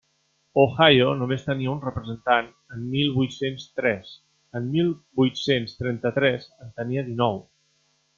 Ohio només tenia un representant en mil vuit-cents tres; en mil vuit-cents trenta-tres en tenia dinou.